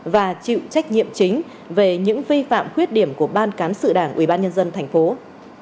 và chịu trách nhiệm chính về những vi phạm khuyết điểm của ban cán sự đảng ubnd tp